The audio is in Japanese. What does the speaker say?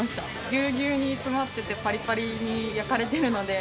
ぎゅうぎゅうに詰まってて、ぱりぱりに焼かれてるので、